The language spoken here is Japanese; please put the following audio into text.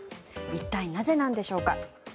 一体、なぜなんでしょうか。